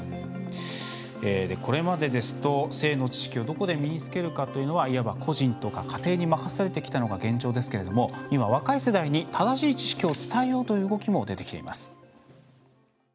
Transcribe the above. これまでですと性の知識をどこで身につけるかというのはいわば個人とか家庭に任されていたのが現状ですけども今、若い世代に正しい知識を伝えようという動きも出てきています。